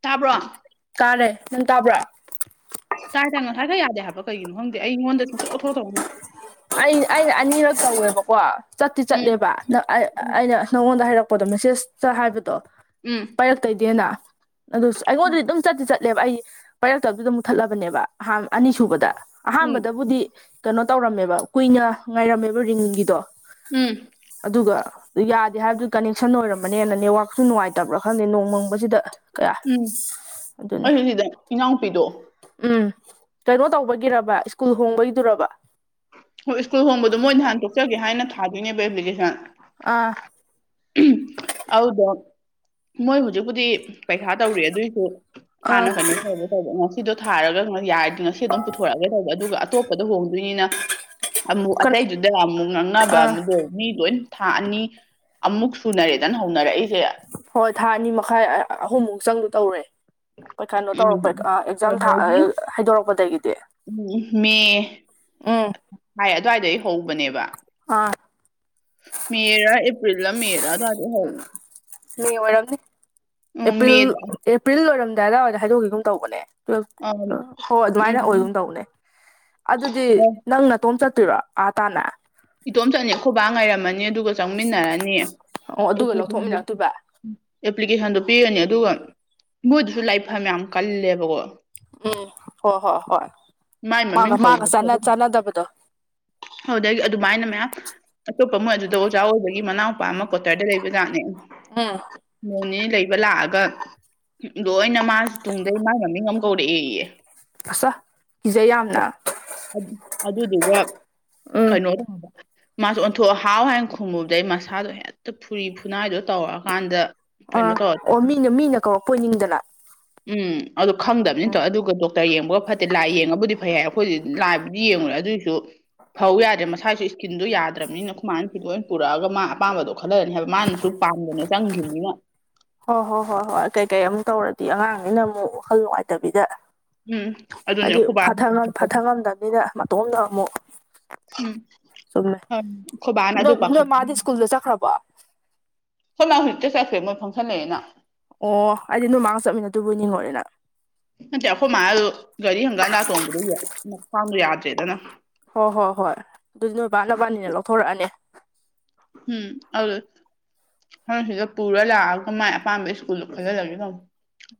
ꯇꯥꯕ꯭ꯔꯣ ꯇꯥꯔꯦ ꯅꯪ ꯇꯥꯕ꯭ꯔꯣ ꯇꯥꯏ ꯇꯥꯏ ꯉꯁꯥꯏꯒꯩ ꯌꯥꯗꯦ ꯍꯥꯏꯕ ꯀꯩꯒꯤꯅꯣ ꯈꯪꯗꯦ ꯑꯩꯉꯣꯟꯗ ꯁꯨꯡꯊꯣꯛ ꯊꯣꯔꯛꯇꯕ ꯑꯩ ꯑꯩ ꯑꯅꯤꯔꯛ ꯇꯧꯋꯦꯕꯀꯣ ꯆꯠꯇꯤ ꯎꯝ ꯆꯠꯂꯦꯕ ꯑꯗ ꯑꯩ ꯑꯩꯅ ꯅꯪꯉꯣꯟꯗ ꯍꯥꯏꯔꯛꯄꯗꯣ ꯃꯦꯁꯦꯁꯇ ꯍꯥꯏꯕꯗꯣ ꯎꯝ ꯄꯔꯛꯇꯣꯏꯗꯦꯅ ꯑꯗꯨ ꯑꯩꯉꯣꯟꯗꯗꯤ ꯑꯗꯨꯝ ꯆꯠꯇꯤ ꯆꯠ ꯂꯦꯕ ꯑꯩ ꯄꯥꯏꯔꯛꯇꯕꯗꯨꯗ ꯃꯨꯊꯠꯂꯕꯅꯦꯕ ꯑꯍꯟ ꯑꯅꯤꯁꯨꯕꯗ ꯎꯝ ꯑꯍꯥꯟꯕꯗꯕꯨꯗꯤ ꯀꯩꯅꯣ ꯇꯧꯔꯝꯃꯦꯕ ꯀꯨꯏꯅ ꯉꯥꯏꯔꯝꯃꯦꯕ ꯔꯤꯡꯒꯤꯗꯣ ꯎꯝ ꯑꯗꯨꯒ ꯌꯥꯗꯦ ꯍꯥꯏꯕꯗꯨ ꯀꯅꯦꯛꯁꯟ ꯑꯣꯏꯔꯝꯕꯅꯦꯅ ꯅꯦꯠꯋꯥꯛꯁꯨ ꯅꯨꯡꯉꯥꯏꯇꯕ꯭ꯔꯥ ꯈꯪꯗꯦ ꯅꯣꯡꯃꯪꯕꯁꯤꯗ ꯎꯝ ꯑꯩꯁꯨ ꯁꯤꯗ ꯏꯅꯥꯎꯅꯨꯄꯤꯗꯣ ꯎꯝ ꯀꯩꯅꯣ ꯇꯧꯕꯒꯤꯔꯕ ꯁ꯭ꯀꯨꯜ ꯍꯣꯡꯕꯒꯤꯗꯨꯔꯕ ꯍꯣꯏ ꯁ꯭ꯀꯨꯜ ꯍꯣꯡꯕꯗꯣ ꯃꯣꯏꯅ ꯍꯥꯟ ꯇꯣꯛꯆꯒꯦ ꯍꯥꯏꯅ ꯊꯥꯗꯣꯏꯅꯦꯕ ꯑꯦꯄ꯭ꯂꯤꯀꯦꯁꯟ ꯑ ꯑꯗꯨꯗꯣ ꯃꯣꯏ ꯍꯧꯖꯤꯛꯄꯨꯗꯤ ꯄꯩꯈꯥ ꯇꯧꯔꯤ ꯑꯗꯨꯏꯁꯨ ꯑꯥ ꯍꯥꯟꯅ ꯀꯩꯅꯣ ꯇꯔꯦ ꯇꯧꯕ ꯉꯁꯤꯗꯣ ꯊꯥꯔꯒ ꯌꯥꯏꯔꯗꯤ ꯑꯗꯨꯝ ꯄꯨꯊꯣꯔꯛꯑꯒ ꯇꯧꯕ ꯑꯗꯨꯒ ꯑꯇꯣꯞꯄꯗ ꯍꯣꯡꯗꯣꯏꯅꯤꯅ ꯑꯃꯨꯛ ꯑꯇꯩꯗꯨꯗ ꯑꯃꯨꯛ ꯉꯥꯡꯅꯕ ꯑꯥ ꯑꯃꯗꯣ ꯃꯤ ꯂꯣꯏ ꯊꯥ ꯑꯅꯤ ꯑꯃꯨꯛ ꯁꯨꯅꯔꯦꯗꯅ ꯍꯧꯅꯔꯛꯏꯁꯦ ꯍꯣꯏ ꯊꯥ ꯑꯅꯤ ꯃꯈꯥꯏ ꯑꯍꯨꯝꯃꯨꯛ ꯆꯪꯗꯧ ꯇꯧꯔꯦ ꯍꯣꯏ ꯀꯩꯅꯣ ꯎꯝ ꯇꯧꯔꯛꯄꯩ ꯑ ꯑꯦꯛꯖꯥꯝ ꯊꯥ ꯑ ꯀꯩꯅꯣꯒꯤ ꯍꯥꯏꯗꯣꯔꯛꯄꯗꯒꯤꯗꯤ ꯎꯝ ꯃꯦ ꯎꯝ ꯍꯥꯏ ꯑꯗꯨꯋꯥꯏꯗꯩ ꯍꯣꯡꯉꯛꯄꯅꯦꯕ ꯑ ꯃꯦꯔ ꯑꯦꯄ꯭ꯔꯤꯜ ꯂ ꯃꯦꯔ ꯑꯗꯨꯋꯥꯏꯗꯩ ꯍꯧꯋꯦ ꯃꯦ ꯑꯣꯏꯔꯝꯅꯤ ꯎꯝ ꯑꯦꯄ꯭ꯔꯤꯜ ꯃꯦꯗ ꯑꯦꯄ꯭ꯔꯤꯜ ꯂꯣꯏꯔꯝꯗꯥꯏ ꯑꯗꯥꯏꯋꯥꯏꯗ ꯍꯥꯏꯗꯣꯛꯒꯤꯒꯨꯝ ꯇꯧꯕꯅꯦ ꯑꯝ ꯍꯣꯏ ꯑꯗꯨꯃꯥꯏꯅ ꯎꯝ ꯑꯣꯏꯒꯨꯝ ꯇꯧꯅꯦ ꯑꯗꯨꯗꯤ ꯑꯣ ꯅꯪꯅ ꯅꯇꯣꯝ ꯆꯠꯇꯣꯏꯔꯣ ꯑꯥ ꯇꯥꯟꯅ ꯏꯇꯣꯝ ꯆꯠꯅꯤ ꯑꯩꯈꯣꯏꯕꯥ ꯉꯔꯝꯃꯅꯤ ꯑꯗꯨꯒ ꯆꯪꯃꯤꯟꯅꯔꯅꯤ ꯑꯣ ꯑꯗꯨꯒ ꯂꯧꯊꯣꯛꯃꯤꯟꯅꯔꯛꯇꯣꯏꯕ ꯑꯦꯄ꯭ꯂꯤꯀꯦꯁꯟꯗꯣ ꯄꯤꯔꯅꯤ ꯑꯗꯨꯒ ꯃꯣꯏꯗꯨꯁꯨ ꯂꯥꯏꯐꯝ ꯌꯥꯝ ꯀꯜꯂꯦꯕꯀꯣ ꯎꯝ ꯍꯣꯏ ꯍꯣꯏ ꯍꯣꯏ ꯃꯥꯏ ꯃꯥꯒ ꯃꯃꯤꯡ ꯃꯥꯒ ꯀꯧꯔꯤ ꯆꯥꯟꯅ ꯈꯣꯠꯂꯤ ꯆꯥꯟꯅꯗꯕꯗꯣ ꯑꯗꯨꯗꯒꯤ ꯑꯗꯨꯃꯥꯏꯅ ꯃꯌꯥꯝ ꯑꯇꯣꯞꯄ ꯃꯣꯏ ꯑꯗꯨꯗ ꯑꯣꯖꯥ ꯑꯣꯏꯕꯒꯤ ꯃꯅꯥꯎ ꯅꯨꯄꯥ ꯑꯃ ꯀꯣꯇꯔꯗ ꯂꯩꯕꯖꯠꯅꯦ ꯎꯝ ꯅꯣꯡꯅꯤꯅꯤ ꯂꯩꯕ ꯂꯥꯛꯑꯒ ꯂꯣꯏꯅ ꯃꯥꯁꯤꯦ ꯇꯨꯡꯗꯩ ꯃꯥꯒꯤ ꯃꯃꯤꯡ ꯑꯃ ꯀꯧꯔꯛꯑꯦꯌꯦ ꯑꯆꯥ ꯀꯤꯖꯩ ꯌꯥꯝꯅ ꯑꯗꯨꯗꯨꯒ ꯎꯝ ꯀꯩꯅꯣ [inaudible] ꯃꯥꯁꯨ ꯑꯣꯟꯊꯣꯛꯑ ꯍꯥꯎ ꯍꯥꯏꯅ ꯈꯨꯝꯃꯨꯕꯗꯩ ꯃꯁꯥꯗꯣ ꯍꯦꯛꯇ ꯐꯨꯔꯤ ꯐꯨꯅꯥꯏꯗꯣ ꯇꯧꯔꯛꯑꯀꯥꯟꯗ ꯑ ꯀꯩꯅꯣ ꯇꯧꯔ ꯑꯣ ꯃꯤꯅ ꯃꯤꯅ ꯀꯧꯔꯛꯄꯣꯏꯅꯤꯡꯗꯅ ꯎꯝ ꯑꯗꯣ ꯈꯪꯗꯝꯅꯤ ꯇꯧ ꯑꯗꯨꯒ ꯗꯣꯛꯇꯔ ꯌꯦꯡꯕꯒ ꯐꯠꯇꯦ ꯂꯥꯏ ꯌꯦꯡꯉꯕꯨꯗꯤ ꯐꯩ ꯍꯥꯏ ꯑꯩꯈꯣꯏꯁꯨ ꯂꯥꯏꯕꯨꯗꯤ ꯌꯦꯡꯉꯨꯔꯦ ꯑꯗꯨꯏꯁꯨ ꯐꯧ ꯌꯥꯗ꯭ꯔꯦ ꯃꯁꯥꯢꯁꯨ ꯀꯤꯟꯗꯣ ꯌꯥꯗ꯭ꯔꯝꯅꯤꯅ ꯈꯨꯃꯥꯟꯁꯨ ꯂꯣꯏ ꯄꯨꯔꯛꯑꯒ ꯃꯥ ꯑꯄꯥꯝꯕꯗꯣ ꯈꯜꯂꯂꯅꯤ ꯍꯥꯏꯕ ꯃꯥꯅꯁꯨ ꯄꯥꯝꯗꯅ ꯆꯪꯈꯤꯕꯅꯤꯅ ꯍꯣꯏ ꯍꯣꯏ ꯍꯣꯏ ꯍꯣꯏ ꯀꯩꯀꯩ ꯑꯃꯨꯛ ꯇꯧꯔꯗꯤ ꯑꯉꯥꯡꯅꯤꯅ ꯑꯃꯨꯛ ꯋꯥꯈꯜ ꯅꯨꯡꯉꯥꯏꯇꯕꯤꯗ ꯎꯝ ꯑꯗꯨꯅꯦ ꯍꯥꯏꯗꯤ ꯑꯩꯈꯣꯏꯕꯥꯅ ꯐꯊ ꯐꯊ ꯉꯝꯗꯕꯅꯤꯅ ꯃꯇꯣꯝꯗ ꯑꯃꯨꯛ ꯎꯝ ꯆꯨꯝꯃꯦ ꯑꯩꯈꯣꯏꯕꯥꯅ ꯑꯗꯨ ꯅꯣꯢ ꯅꯣꯢ ꯄꯥꯈꯠ ꯃꯥꯗꯤ ꯁ꯭ꯀꯨꯜꯗ ꯆꯠꯈ꯭ꯔꯕꯣ ꯈꯣꯢꯃꯥ ꯍꯧꯖꯤꯛꯇ ꯆꯠꯈ꯭ꯔꯦ ꯃꯣꯏ ꯐꯪꯁꯜ ꯂꯩꯑꯅ ꯑꯣ ꯑꯩꯗꯤ ꯅꯣꯢꯃꯥꯒ ꯆꯠꯃꯤꯟꯅꯗꯨꯕꯣꯢ ꯅꯤꯡꯉꯨꯔꯦ ꯅꯪ ꯅꯠꯇꯦ ꯑꯈꯣꯏ ꯃꯥꯗꯨ ꯒꯥꯔꯤ ꯍꯪꯒꯠ ꯍꯟꯗꯥ ꯇꯣꯡꯕꯗꯣ ꯈ꯭ꯋꯥꯡꯗꯣ ꯌꯥꯗ꯭ꯔꯦꯗꯅ ꯍꯣꯏ ꯍꯣꯏ ꯍꯣꯏ ꯑꯗꯨ ꯅꯣꯏ ꯕꯥꯕꯥ ꯅꯕꯥꯅꯤꯅ ꯂꯧꯊꯣꯔꯛꯑꯅꯤ ꯎꯝ ꯑꯗꯨꯗꯨꯢ [unintelligible] ꯁꯤꯗ ꯄꯨꯔ ꯂꯥꯛꯑꯒ ꯃꯥꯏ ꯑꯄꯥꯝꯕ ꯁ꯭ꯀꯨꯜꯗꯣ ꯈꯜꯍꯂꯒꯦ ꯇꯧꯕꯅꯤ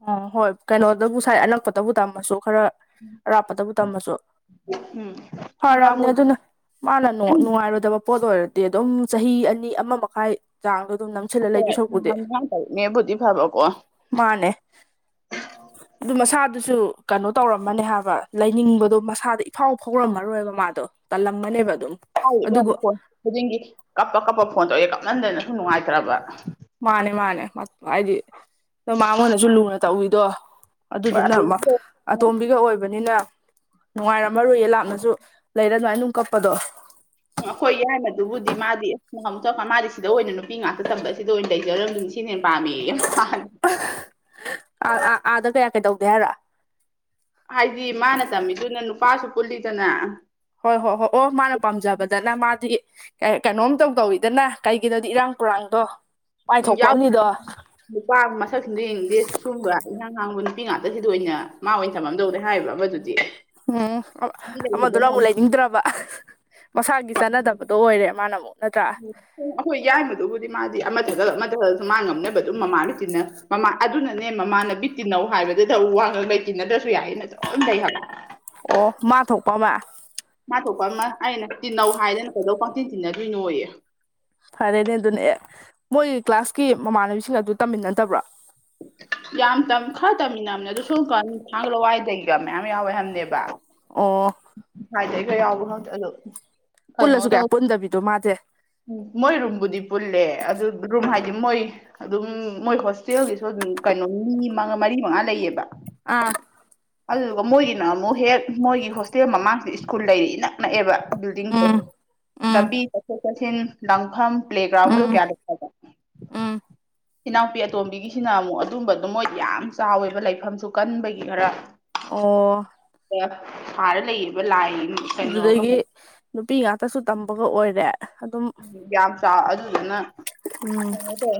ꯑꯣ ꯍꯣꯏ ꯀꯩꯅꯣꯗꯕꯨ ꯁꯥꯏ ꯑꯅꯛꯄꯗꯕꯨ ꯇꯝꯃꯁꯨ ꯈꯔ ꯑꯔꯥꯞꯄꯗꯕꯨ ꯇꯝꯃꯁꯨ ꯎꯝ ꯌꯨꯔꯥꯀꯣ ꯐꯔꯝꯅꯤ ꯑꯗꯨꯅ ꯃꯥꯅ ꯅꯨꯡꯉꯥꯏꯔꯣꯏꯗꯕ ꯄꯣꯠ ꯑꯣꯏꯔꯗꯤ ꯑꯗꯨꯝ ꯆꯍꯤ ꯑꯅꯤ ꯑꯃ ꯃꯈꯥꯏ ꯆꯥꯡꯗꯣ ꯑꯗꯨꯝ ꯅꯪ ꯍꯣꯏ ꯅꯍꯥꯟ [unintelligible] ꯅꯦꯕꯨꯗꯤ ꯐꯕꯀꯣ ꯃꯥꯅꯦ [unintelligible] ꯑꯗꯨ ꯃꯁꯥꯗꯨꯁꯨ ꯀꯩꯅꯣ ꯇꯧꯔꯝꯃꯅꯦ ꯍꯥꯏꯕ ꯂꯩꯅꯤꯡꯕꯗꯣ ꯃꯁꯥꯗꯣ ꯏꯐꯥꯎ ꯐꯥꯎꯔꯝꯃꯔꯣꯏꯕ ꯃꯥꯗꯣ ꯇꯂꯝ ꯃꯅꯦꯕ ꯍꯥꯏ ꯌꯥꯝ ꯐꯣꯟ ꯈꯨꯗꯤꯡꯒꯤ ꯀꯞꯄ ꯀꯞꯄ ꯐꯣꯟ ꯇꯧꯔꯑꯦ ꯀꯞꯃꯟꯗꯅ ꯁꯨꯝ ꯅꯨꯡꯉꯥꯏꯇ꯭ꯔꯕ ꯃꯥꯅꯦ ꯃꯥꯅꯦ ꯃꯥ ꯍꯥꯏꯗꯤ ꯁꯨꯝ ꯃꯉꯣꯟꯗꯁꯨ ꯂꯨꯅ ꯇꯧꯋꯤꯗꯣ ꯍꯣꯏ ꯑꯗꯨꯗꯨꯅ ꯑꯇꯣꯝꯕꯤꯗꯣ ꯑꯇꯣꯝꯕꯤꯒ ꯑꯣꯏꯕꯅꯤꯅ ꯅꯨꯡꯉꯥꯏꯔꯝꯃꯔꯣꯏꯌꯦ ꯂꯥꯞꯅꯁꯨ ꯂꯩꯔ ꯑꯗꯨꯃꯥꯏꯟ ꯑꯗꯨꯝ ꯀꯞꯄꯗꯣ ꯎꯝ ꯑꯩꯈꯣꯏ ꯌꯥꯏꯃꯗꯨꯕꯨꯗꯤ ꯃꯥꯗꯤ ꯑꯃꯨꯛ ꯃꯥꯗꯤ ꯁꯤꯗ ꯑꯣꯏꯅ ꯅꯨꯄꯤ ꯉꯥꯛꯇ ꯇꯝꯕ ꯁꯤꯗ ꯑꯣꯏꯅ ꯂꯩꯖꯔꯝꯃꯤꯁꯦ ꯁꯤꯅ ꯍꯦꯟꯅ ꯄꯥꯝꯃꯤꯌꯦ ꯃꯥ ꯥ [unintelligible] ꯑꯥꯗ ꯀꯌꯥ ꯀꯩ ꯇꯧꯗꯦ ꯍꯥꯏꯔ ꯍꯥꯏꯗꯤ ꯃꯥꯅ ꯇꯝꯃꯤꯗꯨꯅ ꯅꯨꯄꯥꯁꯨ ꯄꯨꯜꯂꯤꯗꯅ ꯍꯣꯏ ꯍꯣꯏ ꯍꯣ ꯑꯣ ꯃꯥꯅ ꯄꯥꯝꯖꯕꯗꯅ ꯃꯥꯗꯤ ꯀꯩ ꯀꯩꯅꯣꯝ ꯏꯇꯧ ꯇꯧꯋꯤꯗꯅ ꯀꯩꯒꯤꯅꯣꯗꯤ ꯏꯔꯥꯡ ꯄꯔꯥꯡꯗꯣ ꯎꯝ ꯌꯥꯎ ꯅꯨꯄꯥ ꯃꯁꯛꯁꯤꯡꯗꯨ ꯌꯦꯡꯅꯤꯡꯗꯦ ꯁꯨꯝꯕ ꯏꯍꯥꯡ ꯍꯥꯡꯕ ꯅꯨꯄꯤ ꯉꯥꯛꯇ ꯁꯤꯗ ꯑꯣꯏꯅ ꯃꯥ ꯑꯣꯏꯅ ꯇꯝꯃꯝꯗꯧꯅꯤ ꯍꯥꯏꯕ ꯑꯃꯗꯨꯗꯤ [unintelligible] ꯎꯝ ꯃꯤ ꯂꯩꯕꯗ ꯑꯃꯗꯨꯅ ꯑꯃꯨꯛ ꯂꯩꯅꯤꯡꯗ꯭ꯔꯕ ꯃꯁꯥꯒꯤ ꯆꯅꯗꯕꯗꯣ ꯑꯣꯏꯔꯦꯕ ꯃꯥꯟꯅ ꯃꯨꯛ ꯅꯠꯇ꯭ꯔꯥ ꯑꯈꯣꯏ ꯌꯥꯏꯃꯗꯨꯕꯨꯗꯤ ꯃꯥꯗꯤ ꯑꯃ ꯗꯒ ꯑꯃ ꯊꯥꯗꯁꯨ ꯃꯥ ꯉꯝꯅꯕꯗꯨꯝ ꯃꯃꯥꯥꯅ ꯇꯤꯟꯅ ꯃꯃꯥ ꯑꯗꯨꯅ ꯑꯅꯦ ꯃꯃꯥꯅꯕꯤ ꯇꯤꯟꯅꯧ ꯍꯥꯏꯕꯗꯗ ꯋꯥ ꯉꯥꯡꯅꯩ ꯇꯤꯟꯅꯗ꯭ꯔꯁꯨ ꯌꯥꯏ ꯑꯦꯅ ꯑꯗꯨꯝ ꯂꯩ ꯍꯥꯏꯕ ꯑꯣ ꯃꯥ ꯊꯣꯛꯄ ꯑꯃ ꯃꯥ ꯊꯣꯛꯄ ꯑꯃ ꯑꯩꯅ ꯇꯤꯜꯟꯅꯧ ꯍꯥꯏꯗꯅ ꯀꯩꯗꯧ ꯄꯪꯇꯤꯟ ꯇꯤꯟꯅꯗꯣꯏꯅꯣꯌꯦ ꯐꯔꯦꯅꯦ ꯑꯗꯨꯅ ꯍꯦꯛ ꯃꯣꯏ ꯀ꯭ꯂꯥꯁꯀꯤ ꯃꯃꯥꯟꯅꯕꯤꯁꯤꯡ ꯑꯗꯨ ꯇꯝꯃꯤꯟꯅꯗꯕ꯭ꯔꯣ ꯌꯥꯝ ꯇꯝ ꯈꯔ ꯇꯝꯃꯤꯅꯝꯅꯦ ꯑꯗꯨ ꯁꯣꯝꯀꯥꯟ ꯊꯥꯡꯒ ꯂꯋꯥꯏꯗꯩꯒ ꯃꯌꯥꯝ ꯌꯥꯎꯋꯦ ꯍꯥꯏꯝꯅꯦꯕ ꯑꯣ ꯍꯥꯏꯗꯤ ꯑꯩꯈ ꯌꯥꯎꯕ ꯈꯪꯗꯦ ꯑꯗꯣ ꯄꯨꯜꯂꯁꯨ ꯀꯌꯥ ꯄꯨꯟꯗꯕꯤꯗꯣ ꯃꯥꯗꯤ ꯎ ꯃꯣꯏ ꯔꯨꯝꯕꯨꯗꯤ ꯄꯨꯜꯂꯦ ꯑꯗꯨ ꯔꯨꯝ ꯍꯥꯏꯗꯤ ꯃꯣꯏ ꯑꯗꯨꯝ ꯃꯣꯏ ꯍꯣꯁꯇꯦꯜꯒꯤꯁꯨ ꯑꯗꯨꯝ ꯀꯩꯅꯣ ꯃꯤ ꯃꯔꯤ ꯃꯉꯥ ꯂꯩꯌꯦꯕ ꯑꯥ ꯑꯗꯨꯗꯨꯒ ꯃꯣꯏꯒꯤꯅ ꯑꯃꯨꯛ ꯍꯦꯛ ꯃꯣꯏꯒꯤ ꯍꯣꯁꯇꯦꯜ ꯃꯃꯥꯡꯁꯤꯗ ꯁ꯭ꯀꯨꯜ ꯂꯩꯔ‌ꯦ ꯏꯅꯛ ꯅꯛꯑꯦꯕ ꯕꯤꯜꯗꯤꯡꯗꯣ ꯎꯝ ꯎꯝ ꯂꯝꯕꯤ ꯆꯠꯊꯣꯛ ꯆꯠꯁꯤꯟ ꯂꯥꯟꯐꯝ ꯄ꯭ꯂꯦꯒ꯭ꯔꯥꯎꯟꯗꯨ ꯎꯝ ꯀꯌꯥ ꯂꯩꯇꯕ ꯎꯝ ꯏꯅꯥꯎꯄꯤ ꯑꯇꯣꯝꯕꯤꯒꯤꯁꯤꯅ ꯑꯃꯨꯛ ꯑꯗꯨꯝꯕꯗꯣ ꯃꯣꯏ ꯌꯥꯝ ꯆꯥꯎꯋꯦꯕ ꯂꯩꯐꯝꯁꯨ ꯀꯟꯕꯒꯤ ꯈꯔ ꯑꯣ [unintelligible] ꯁꯥꯔ ꯂꯩꯌꯦꯕ ꯂꯥꯏ ꯀꯩꯅꯣꯒ ꯑꯗꯨꯗꯒꯤ ꯅꯨꯄꯤ ꯉꯥꯛꯇꯁꯨ ꯇꯝꯕꯒ ꯑꯣꯏꯔꯦ ꯑꯗꯨꯝ ꯌꯥꯝ ꯆꯥꯎ ꯑꯗꯨꯗꯨꯅ ꯎꯝ ꯀꯩꯅꯣ ꯇꯧ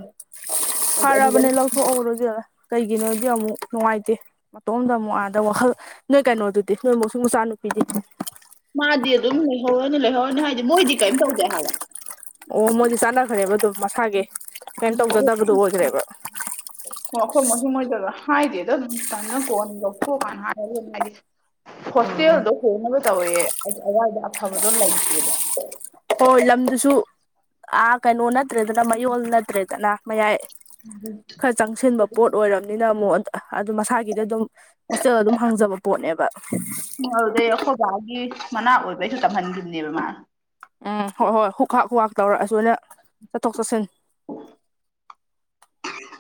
ꯐꯔꯕꯅꯦ ꯂꯧꯊꯣꯛꯍꯧꯔ‌ꯣ ꯏꯕ‌ꯦꯝꯃ ꯀꯩꯒꯤꯅꯣꯗꯤ ꯑꯃꯨꯛ ꯅꯨꯡꯉꯥꯏꯇꯦ ꯃꯇꯣꯝꯗ ꯑꯃꯨꯛ ꯑꯥꯗ ꯋꯥꯈꯜ ꯅꯣꯏ ꯀꯩꯅꯣꯗꯨꯗꯤ ꯅꯣꯏ ꯃ‌ꯣꯁꯤꯡ ꯃꯆꯥꯅꯨꯄꯤꯗꯤ ꯃꯥꯗꯤ ꯑꯗꯨꯝ ꯂꯩꯍꯧꯔꯅꯤ ꯂꯩꯍꯧꯔꯅꯤ ꯍꯥꯏꯗꯤ ꯃꯣꯏꯗꯤ ꯀꯩꯝ ꯇꯧꯗꯦ ꯍꯥꯏꯕ ꯑꯣ ꯃꯣꯏꯗꯤ ꯆꯥꯟꯅꯈ꯭ꯔꯦꯕ ꯑꯗꯨꯝ ꯃꯁꯥꯒꯤ ꯀꯩꯅꯣ ꯇꯧꯖꯗꯕꯗꯨ ꯑꯣꯏꯈ꯭ꯔꯦꯕ ꯑꯣ ꯑꯩꯈꯣꯏ ꯃꯣꯁꯤꯡ ꯃ‌ꯣꯏꯗꯒ ꯍꯥꯏꯗꯦꯗ ꯗꯨꯝ ꯇꯟꯗꯅ ꯀꯣꯟꯅ ꯂꯧꯊꯣꯛꯑ ꯀꯥꯟ ꯍꯥꯏꯔꯒ‌ꯦ ꯍꯥꯏꯗꯤ ꯎꯝ ꯍꯣꯁꯇꯦꯜꯗꯣ ꯍꯣꯡꯅꯕ ꯇꯧꯋꯦ ꯑ ꯑꯗꯨꯋꯥꯏꯗ ꯑꯐꯕꯗꯣ ꯂꯩꯇꯦꯕ ꯍꯣꯏ ꯂꯝꯗꯨꯁꯨ ꯑ ꯀꯩꯅꯣ ꯅꯠꯇ꯭ꯔꯦꯗꯅ ꯃꯌꯣꯜ ꯅꯠꯇ꯭ꯔꯦꯗꯅ ꯃꯌꯥꯏ [unintelligible] ꯈꯔ ꯆꯪꯁꯤꯟꯕ ꯄꯣꯠ ꯑꯣꯏꯔꯕꯅꯤꯅ ꯑꯃꯨꯛ ꯑ ꯑꯗꯨ ꯃꯁꯥꯒꯤꯗ ꯗꯨꯝ ꯍꯣꯁꯇꯦꯜ ꯑꯗꯨꯝ ꯍꯥꯡꯖꯕ ꯄꯣꯠꯅꯦꯕ ꯑꯗꯨꯗꯩ ꯑꯩꯈꯣꯏꯕꯥꯒꯤ ꯃꯅꯥꯛ ꯑꯣꯏꯕꯩꯁꯨ ꯇꯝꯍꯟꯈꯤꯝꯅꯦꯕ ꯃꯥ ꯎꯝ ꯍꯣꯏ ꯍꯣꯏ ꯍꯨꯛ ꯍꯥꯛ ꯍꯨꯛ ꯍꯥꯛ ꯇꯧꯔꯛꯑꯁꯨꯅ ꯆꯠꯊꯣꯛ ꯆꯠꯁꯤꯟ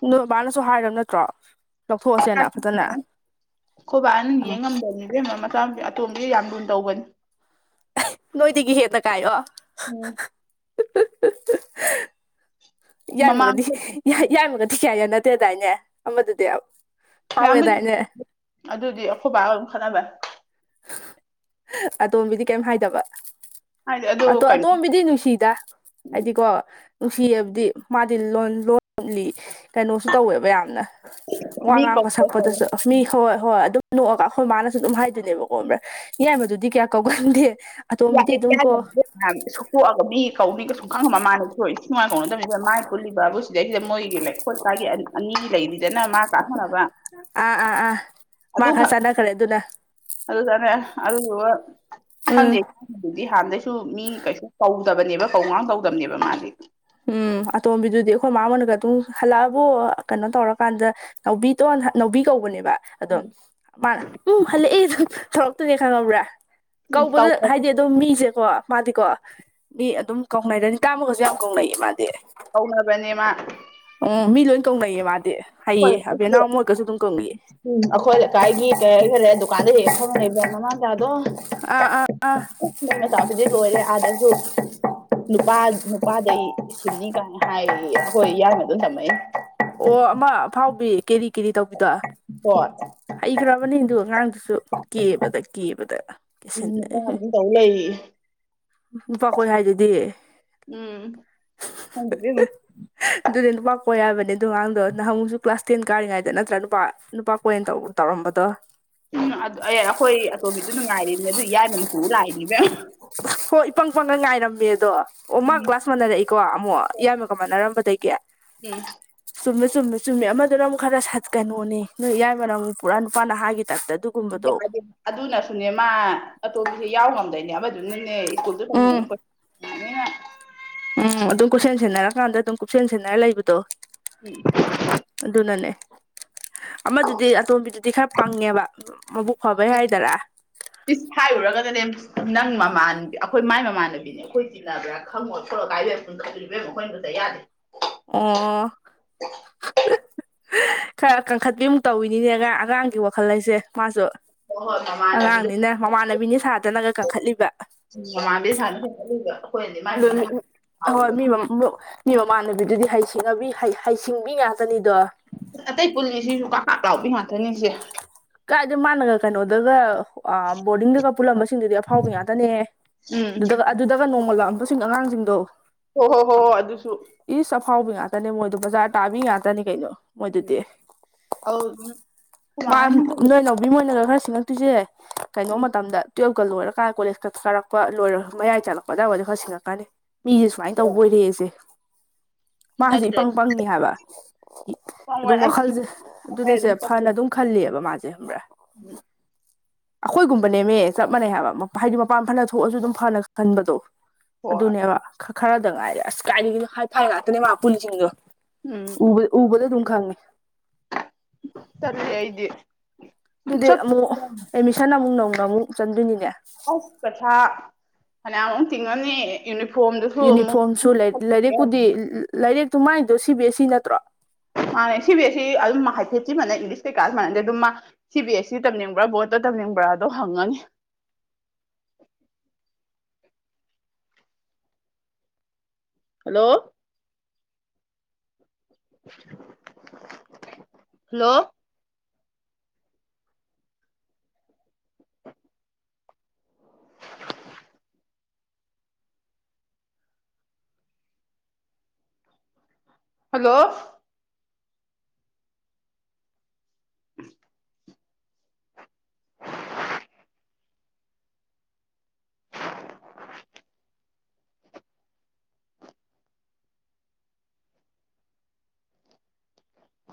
ꯅꯣꯏꯕꯥꯅꯁꯨ ꯍꯥꯏꯔꯝ ꯅꯠꯇ꯭ꯔꯣ ꯂꯧꯊꯣꯛꯑꯁꯦꯅ ꯐꯖꯅ [unintelligible] ꯈ‌ꯣꯏꯕꯥꯅ ꯎꯝ ꯌ‌ꯦꯡ ꯉꯝꯗꯝꯅ‌ꯦ ꯏꯕ‌ꯦꯝ ꯃ ꯃꯆꯥꯅꯨꯄꯤ ꯑꯇꯣꯝꯕꯤ ꯌꯥꯝ ꯂꯨꯅ ꯇꯧꯕꯟ ꯅꯣꯏꯗꯒꯤ ꯍꯦꯟꯅ ꯀꯥꯏꯌ‌ꯣ ꯎꯝ ꯃꯃꯥꯡ ꯌꯥꯏꯃꯒꯗꯤ ꯌꯥꯏꯃꯒꯗꯤ ꯀꯌꯥ ꯌꯥꯅꯗ‌ꯦ ꯗꯥꯏꯅꯦ ꯑꯃꯗꯨꯗꯤ ꯐꯥꯎꯋꯦꯗꯥꯏꯅꯦ ꯌꯥꯟꯕꯨꯗꯤ [inaudible] ꯗꯨꯗꯤ ꯑꯩꯈꯣꯏꯕꯥꯒ ꯑꯗꯨꯝ ꯈꯠꯅꯕꯩ ꯑꯇ‌ꯣꯝꯕꯤꯗꯤ ꯀꯩꯝ ꯍꯥꯏꯗꯕ ꯍꯥꯏꯗꯤ ꯑꯗꯨ ꯑꯇ‌ꯣꯝ ꯀꯩꯅꯣ ꯑꯇꯣꯝꯕꯤꯗꯤ ꯅꯨꯡꯁꯤꯗ ꯑꯩꯗꯤꯀꯣ ꯅꯨꯡꯁꯤꯌꯦꯕꯗꯤ ꯃꯥꯗꯤ ꯂꯣꯟ ꯂꯣꯟꯂꯤ ꯀꯩꯅꯣꯁꯨ ꯇꯧꯋꯦꯕ ꯌꯥꯝꯅ ꯋꯥ ꯃꯤ ꯉꯥꯡꯕ ꯀꯧꯕ ꯀꯧꯋꯦ ꯁꯛꯄꯗꯁꯨ ꯃꯤ ꯍꯣꯏ ꯍꯣꯏ ꯑꯗꯨ ꯅꯣꯛꯑꯒ ꯑꯩꯈꯣꯏ ꯃꯥꯅꯁꯨ ꯑꯗꯨꯝ ꯍꯥꯏꯗꯣꯏꯅꯦꯕꯀꯣ ꯕ꯭ꯔꯥ ꯌꯥꯏꯃꯗꯨꯗꯤ ꯀꯌꯥ ꯀꯧꯒꯟꯗꯦ ꯑꯇ‌ꯣꯝꯕꯤꯗꯤ ꯑꯗꯨꯝ ꯀꯣ ꯁꯨꯇꯣꯛꯑꯒ ꯃꯤ ꯀꯧꯅꯤꯒ ꯁꯨꯡꯈꯪ ꯃ ꯃꯥꯥꯟꯅꯕꯤ ꯏꯊꯤ ꯅꯨꯡꯉꯥꯏ ꯀꯧꯅꯗꯕꯅꯤ ꯏꯕ‌ꯦꯝ ꯃꯥꯏ ꯄꯨꯜꯂꯤꯕꯕꯨ ꯁꯤꯗꯩꯁꯤꯗ ꯃꯣꯏꯒꯤ ꯈ‌ꯣꯏ ꯂꯩꯀꯥꯏꯒꯤ ꯑꯅ ꯑꯅꯤ ꯂꯩꯔꯤ ꯁꯤꯗꯅ ꯃꯥ ꯀ꯭ꯂꯥꯁ ꯃꯥꯟꯅꯕ ꯑꯥ ꯑꯥ ꯑꯥ ꯃꯥ ꯈꯔ ꯑꯗꯨꯈꯛ ꯆꯥꯟꯅꯈ꯭ꯔꯦ ꯑꯗꯨꯅ ꯑꯗꯨ ꯇꯅꯦ ꯑꯗꯨꯗꯨꯒ ꯈꯪꯗꯦ ꯎꯝ ꯌꯥꯏꯃꯗꯨꯗꯤ ꯍꯥꯟꯅꯗꯩꯁꯨ ꯃꯤ ꯀꯩꯁꯨ ꯀꯧꯗꯕꯅꯦꯕ ꯀꯧ ꯉꯥꯡ ꯇꯧꯗꯕꯅꯦꯕ ꯃꯥꯗꯤ ꯎꯝ ꯑꯇꯣꯝꯕꯤꯗꯨꯗꯤ ꯑꯩꯈꯣꯏ ꯃ‌ꯣꯏꯅꯒ ꯑꯗꯨꯝ ꯍꯜꯂꯛꯑꯕꯣ ꯀꯩꯅꯣ ꯇꯧꯔꯀꯥꯟꯗ ꯅꯥꯎꯕꯤꯇꯣꯟ ꯅꯥꯎꯕꯤ ꯀꯧꯕꯅꯦꯕ ꯑꯗꯨꯝ ꯎꯝ ꯃꯥꯅ ꯎꯝ ꯍꯜꯂꯛꯑꯦ ꯇꯧꯔꯛꯇꯨꯏꯅꯦ ꯈꯪꯉꯕ꯭ꯔꯥ ꯎꯝ ꯀꯧꯕꯗ ꯍꯥꯏꯗꯤ ꯑꯗꯨꯝ ꯃꯤꯁꯦꯀꯣ ꯃꯥꯗꯤꯀꯣ ꯃꯤ ꯑꯗꯨꯝ ꯀꯧꯅꯩ ꯔꯅꯤꯇꯥ ꯃ‌ꯣꯏꯒꯁꯨ ꯌꯥꯝ ꯀꯧꯅꯩꯌꯦ ꯃꯥꯗꯤ ꯀꯧꯅꯕꯅꯦ ꯃꯥ ꯎꯝ ꯃꯤ ꯂꯣꯏ ꯀꯧꯅꯩꯌꯦ ꯃꯥꯗꯤ ꯍꯩꯌꯦ ꯑꯩꯈꯣꯏ ꯂꯩꯀꯥꯏꯒꯤ ꯑꯕꯦꯟꯅꯥꯎ ꯃꯣꯏꯒꯁꯨ ꯑꯗꯨꯝ ꯀꯧꯅꯩꯌ‌ꯦ ꯎꯝ ꯑꯩꯈꯣꯏ ꯂꯩꯀꯥꯏꯒꯤ ꯀꯩ ꯍꯥꯏꯈꯔꯦ ꯗꯨꯀꯥꯟꯗ ꯍ‌ꯦꯛꯍ‌ꯦꯛ ꯐꯝꯃ ꯂꯩꯕ ꯃꯃꯥ ꯃꯆꯥꯗꯣ ꯑ ꯑꯥ ꯑꯥ ꯃ‌ꯣꯏ ꯃꯆꯥꯗꯨꯗꯤ ꯂ‌ꯣꯏꯔꯦ ꯑꯥꯗꯁꯨ ꯅꯨꯄꯥ ꯅꯨꯄꯥꯗꯩ ꯁꯤꯟꯅꯤ ꯀꯥꯏꯅ ꯍꯥꯏꯌꯦ ꯑꯩꯈꯣꯏ ꯏꯡꯕ ꯑꯗꯨꯝ ꯊꯝꯃꯛ ꯑꯣ ꯑꯃ ꯐꯥꯎꯕꯤ ꯀꯦꯔꯤ ꯀꯦꯔꯤ ꯇꯧꯕꯤꯗ ꯍꯗ ꯍꯩꯈ꯭ꯔꯕꯅꯤ ꯑꯗꯨ ꯑꯉꯥꯡꯗꯨꯁꯨ ꯀꯦꯕꯗ ꯀꯦꯕꯗ ꯀꯦꯁꯤꯟꯅꯦ ꯑꯩ ꯂꯨꯄꯥꯈꯣꯏ ꯍꯥꯏꯗꯗꯤ ꯎꯝ ꯍ ꯑꯗꯨꯗꯤ ꯅꯨꯄꯥ ꯀꯣꯛ ꯌꯥꯕꯅꯦꯗꯣꯉꯥꯡꯗꯣ ꯅꯍꯪꯨꯁꯨ ꯀ꯭ꯂꯥꯁ ꯇꯦꯟ ꯀꯥꯔꯤꯉꯩꯗ ꯅꯠꯇ꯭ꯔ ꯅꯨꯄꯥ ꯅꯨꯄꯥ ꯄꯣꯏꯟ ꯇꯧꯔꯝꯕꯗꯣ ꯑꯩꯈꯣꯏ ꯑꯇꯣꯕꯤꯗꯨꯅ ꯉꯥꯏꯔꯤꯅꯦ ꯑꯗꯨ ꯏꯏꯕꯅꯐꯨ ꯂꯥꯛꯏꯅꯤꯕꯦꯝ ꯍꯣꯏ ꯏ ꯄꯪ ꯄꯪꯒ ꯉꯥꯏꯔꯝꯃꯦ ꯑꯗꯣ ꯑꯣ ꯃꯥ ꯎꯝ ꯀ꯭ꯂꯥꯁ ꯃꯥꯟꯅꯔꯛꯏꯀꯣ ꯑꯃꯨꯛ ꯏꯌꯥꯝꯃꯒ ꯃꯥꯟꯅꯔꯝꯕꯗꯒꯤ ꯎꯝ ꯆꯨꯝꯃꯦ ꯆꯨꯝꯃꯦ ꯆꯨꯝꯃꯦ ꯑꯃꯗꯨꯅ ꯑꯃꯨꯛ ꯈꯔ ꯁꯠꯀꯅꯣꯅꯦ ꯅꯣꯏ ꯏꯏꯕꯅ ꯑꯃꯨꯛ ꯄꯨꯔꯥ ꯅꯨꯄꯥ ꯅꯍ ꯍꯥꯏꯒꯤ ꯇꯥꯏꯞꯇ ꯑꯗꯨ ꯌꯥꯗꯦ ꯑꯗꯨꯅꯁꯨꯅꯦ ꯃꯥ ꯑꯇꯣꯝꯕꯤꯁꯦ ꯌꯥꯎ ꯉꯝꯗꯣꯏꯅꯦ ꯌꯥꯝꯕ ꯑꯗꯨ ꯅꯪꯅꯦ ꯏꯀꯨꯜꯗ ꯀ ꯎꯝ ꯎꯝ ꯑꯗꯨꯝ ꯀꯨꯞꯁꯦꯟ ꯁꯦꯟꯅꯔꯀꯥꯟꯗ ꯑꯗꯨꯝ ꯀꯨꯞꯁꯦꯟ ꯁꯦꯟꯅꯔ ꯂꯩꯕꯗꯣ ꯎꯝ ꯑꯗꯨ ꯅꯅꯦ ꯑꯃꯗꯨꯗꯤ ꯑꯇꯣꯝꯕꯤꯗꯨꯗꯤ ꯈꯔ ꯄꯪꯉꯦꯕ ꯃꯕꯨꯛ ꯐꯕ ꯌꯥꯏꯗꯔ ꯏꯁꯤꯁ ꯍꯥꯏꯔꯨꯔꯒꯅꯅꯦ ꯅꯪ ꯃꯃꯥꯟ ꯑꯩꯈꯣꯏ ꯃꯥꯏ ꯃꯃꯥꯟꯅꯕꯤ ꯑꯩꯈꯣꯏꯗꯤꯖꯤꯟꯅꯕ꯭ꯔꯥ ꯈꯪꯉꯣ ꯊꯂꯛ ꯀꯥꯏ ꯂꯣꯏꯕ ꯁꯨꯝ ꯈꯧꯕꯤꯕ꯭ꯔꯩ ꯑꯩꯈꯣꯏꯅꯗꯛꯇ ꯌꯥꯗꯦ ꯑꯣ ꯈꯔ ꯀꯟꯈꯠꯄꯤꯃꯨꯛ ꯇꯧꯋꯤꯅꯤꯅꯦꯒ ꯑꯉꯥꯡꯒꯤ ꯋꯥꯈꯜ ꯂꯩꯁꯦ ꯃꯥꯁꯨ ꯍꯣꯏ ꯍꯣꯏ ꯃꯃꯥꯟꯅꯕꯤꯗꯣ ꯑꯉꯥꯡꯅꯤꯅ ꯃꯃꯥꯟꯅꯕꯤꯅꯤ ꯁꯥꯗꯅꯒ ꯀꯟꯈꯠꯂꯤꯕ ꯃꯥ ꯁꯥꯟꯅ ꯊꯒ ꯑꯗꯨ ꯍꯣꯏ ꯃꯤ ꯃ ꯃꯤ ꯃꯃꯥꯟꯅꯕꯤꯗꯨꯗꯤ ꯍꯉ ꯍꯩꯁꯤꯡꯕꯤ ꯉꯥꯛꯇꯅꯤꯗꯣ ꯑꯇꯩ ꯄꯨꯟꯜꯂꯤꯁꯤꯁꯨ ꯀꯀꯥꯞ ꯂꯥꯎꯕꯤ ꯉꯥꯛꯇꯅꯤꯁꯦ ꯀꯥꯏꯗꯦ ꯃꯥꯥꯟꯒ ꯀꯩꯅꯣꯗꯒ ꯑ ꯕꯣꯔꯗꯤꯡꯗꯒ ꯄꯨꯜꯂꯝꯕꯁꯤꯡꯗꯨꯗꯤ ꯑꯐꯥꯎꯕ ꯉꯥꯛꯇꯅꯦ ꯎꯝ ꯑꯗꯨꯗꯒ ꯑꯗꯨꯗꯒ ꯅꯣꯡꯃ ꯂꯥꯛꯑꯝꯕꯁꯤꯡ ꯑꯉꯥꯡꯁꯤꯡꯗꯣ ꯍ ꯍꯣ ꯍꯣ ꯍ ꯑꯗꯨꯁꯨ ꯏꯁ ꯑꯐꯥꯎꯕꯤ ꯉꯥꯛꯇꯅꯦ ꯃꯣꯏꯗꯣ ꯕꯖꯥꯔ ꯇꯥꯕꯤ ꯉꯥꯛꯇꯅꯤ ꯀꯩꯅꯣ ꯃꯣꯏꯗꯨꯗꯤ ꯍꯧ ꯃꯥ ꯅꯣꯏꯅꯥꯎꯕꯤ ꯃꯣꯏꯅꯒ ꯈꯔ ꯁꯤꯡꯉꯛꯇꯣꯏꯁꯦ ꯀꯩꯅꯣ ꯎꯝ ꯃꯇꯝꯗ ꯇꯨꯌꯦꯦꯜꯞꯀ ꯂꯣꯏꯔꯀꯥꯟ ꯀꯣꯂꯦꯖꯀ ꯀꯥꯔꯛꯄ ꯂꯣꯏꯔꯒ ꯃꯌꯥꯏ ꯆꯥꯂꯛꯄꯗꯕꯨꯗꯤ ꯈꯔꯁꯤꯡꯉꯛꯀꯅꯤ ꯃꯤꯁꯦ ꯁꯨꯃꯥꯏꯅ ꯇꯧꯕ ꯑꯣꯏꯔꯦꯁꯦ ꯃꯥꯁꯦ ꯏ ꯄꯪ ꯅꯠꯇ꯭ꯔꯗꯤ ꯄꯪꯅꯤ ꯍꯥꯏꯕ ꯈꯪꯉꯣꯏ ꯑꯗꯨꯝ ꯑꯁ ꯋꯥꯈꯜꯁꯦ ꯍꯥꯏꯔ ꯑꯗꯨꯅꯦꯁꯦ ꯑꯗꯨꯝ ꯐꯅ ꯆꯠꯄꯅꯤ ꯑꯗꯨꯝ ꯈꯜꯂꯦꯕ ꯃꯥꯁꯦ ꯈ꯭ꯔꯥ ꯎꯝ ꯑꯩꯈꯣꯏꯒꯨꯝꯕꯅꯦꯃꯦ ꯆꯞ ꯃꯥꯟꯅꯩ ꯍꯥꯏꯕ ꯍꯥꯏꯗꯤ ꯃꯄꯥꯟ ꯐꯅ ꯊꯣꯛꯑꯁꯨ ꯑꯗꯨꯝ ꯐꯅ ꯈꯟꯕꯗꯣ ꯍꯣꯏ ꯑꯗꯨꯅꯦꯕ ꯈꯔꯗ ꯉꯥꯏꯔꯦ ꯑꯁ ꯀꯥꯏꯔꯤꯒꯤꯗꯣ ꯍꯥꯏꯐ ꯉꯥꯛꯇꯅꯦ ꯃꯥ ꯄꯨꯟꯁꯤꯡꯗꯣ ꯎꯝ ꯎꯕ ꯎꯕꯂ ꯊꯝ ꯈꯥꯡꯉꯦ ꯁꯔ ꯑꯩꯗꯤ ꯑꯗꯨꯗꯤ ꯆꯠꯄ ꯑꯃꯨꯛ ꯑꯦꯗꯃꯤꯁꯟ ꯑꯃꯨꯛ ꯅꯧꯅ ꯑꯃꯨꯛ ꯆꯟꯗꯣꯏꯅꯤꯅꯦ ꯑꯁ ꯄꯊꯥ ꯐꯅꯌꯥꯝꯃꯨꯛ ꯇꯤꯡꯉꯅꯤ ꯌꯨꯅꯤꯐꯣꯔꯝ ꯌꯨꯅꯤꯐꯣꯔꯝꯁꯨ ꯂꯩ ꯂꯥꯏꯔꯛꯄꯨꯗꯤ ꯂꯥꯏꯔꯛꯇꯨ ꯃꯥꯏꯗꯣ ꯁꯤꯕꯤ ꯑꯦ ꯁꯤ ꯅꯠꯇ꯭ꯔꯣ ꯃꯥꯥꯟꯅꯦ ꯁꯤ ꯕꯤꯁ ꯁꯤ ꯑꯗꯨꯝ ꯍꯥꯏꯐꯦꯠ ꯁꯤ ꯃꯥꯟꯅ ꯏꯪꯂꯤꯁ ꯀꯩꯀꯥꯁꯨ ꯃꯥꯟꯅꯗꯦ ꯑꯗꯨꯝ ꯃꯥ ꯁꯤ ꯕꯤ ꯑꯦꯁ ꯁꯤ ꯇꯝꯅꯤꯡꯕ꯭ꯔꯥ ꯕꯣꯔꯗ ꯇꯝꯅꯤꯡꯕ꯭ꯔꯥꯗꯣ ꯍꯪꯉꯅꯤ ꯍꯜꯂꯣ ꯍꯜꯂꯣ ꯍꯜꯂꯣ [unintelligible]